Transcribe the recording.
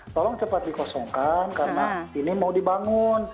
tolong cepat dikosongkan karena ini mau dibangun